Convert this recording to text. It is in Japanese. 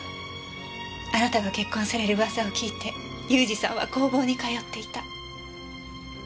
あなたの結婚される噂を聞いて雄二さんは工房に通っていた。